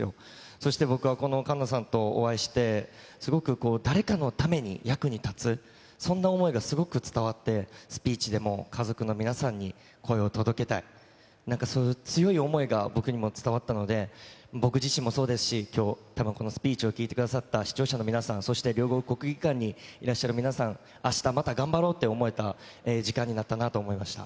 そして僕はこの栞奈さんとお会いして、すごくこう、誰かのために役に立つ、そんな思いがすごく伝わって、スピーチでも家族の皆さんに声を届けたい、なんかそういう強い思いが僕にも伝わったので、僕自身もそうですし、きょうたぶんこのスピーチを聞いてくださった視聴者の皆さん、そして両国国技館にいらっしゃる皆さん、あしたまた頑張ろうって思えたええ時間になったなと思いました。